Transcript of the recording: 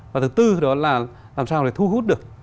và thứ tư đó là làm sao để thu hút được